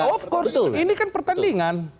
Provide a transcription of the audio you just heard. of court ini kan pertandingan